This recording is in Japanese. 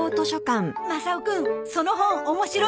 マサオくんその本面白い？